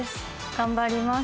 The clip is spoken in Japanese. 頑張ります